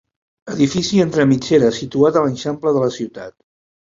Edifici entre mitgeres situat a l'eixample de la ciutat.